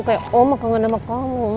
kayak oh mau kangen sama kamu